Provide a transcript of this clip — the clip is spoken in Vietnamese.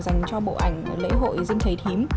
dành cho bộ ảnh lễ hội dinh thầy thím